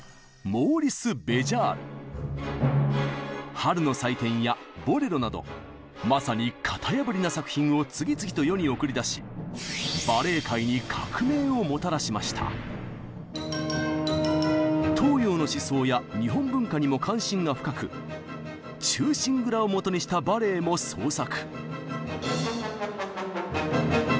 「春の祭典」や「ボレロ」などまさに「型破り」な作品を次々と世に送り出し東洋の思想や日本文化にも関心が深く「忠臣蔵」をもとにしたバレエも創作。